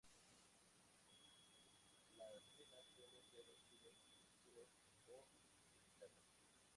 Las menas suelen ser óxidos, sulfuros o silicatos.